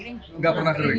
enggak pernah kering